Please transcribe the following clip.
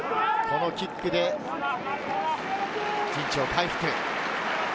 このキックで陣地を回復。